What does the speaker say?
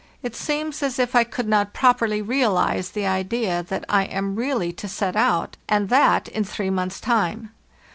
It seems as if I could not properly realize the idea that I am really to set out, and that in three months' time.